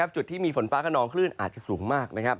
จุดที่มีฝนฟ้าขนองคลื่นอาจจะสูงมาก